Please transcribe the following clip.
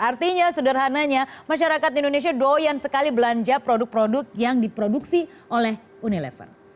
artinya sederhananya masyarakat indonesia doyan sekali belanja produk produk yang diproduksi oleh unilever